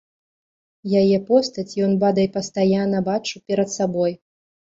Яе постаць ён бадай пастаянна бачыў перад сабой.